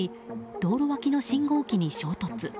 道路脇の信号機に衝突。